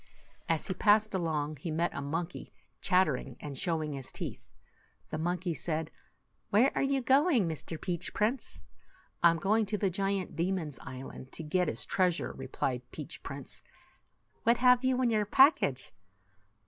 As he passed along, he met a monkey, chat tering and showing his teeth. The monkey said, "Where are you going, Mr. Peach Prince ?" 75 " I m going to the giant demon's island, to get his treasures," replied Peach Prince. "What have you in your package?"